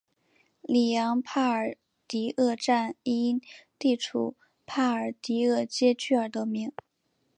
里昂帕尔迪厄站因地处帕尔迪厄街区而得名。